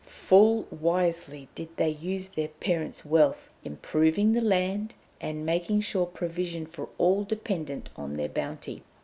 Full wisely did they use their parents' wealth, improving the land and making sure provision for all dependant on their bounty.